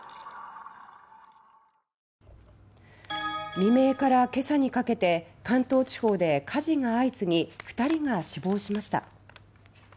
未明から今朝にかけて関東地方で火事が相次ぎ２人が死亡しました。